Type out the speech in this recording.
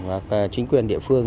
và chính quyền địa phương